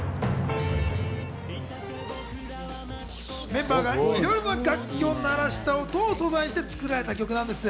メンバーがいろいろな楽器を鳴らせた音を素材にして作られた曲なんです。